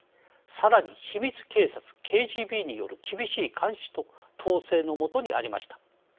さらに、秘密警察ＫＧＢによる厳しい監視と統制の下にありました。